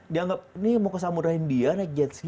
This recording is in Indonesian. dianggap ini mau ke samudera india naik jetski